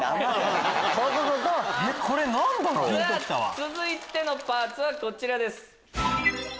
続いてのパーツはこちらです。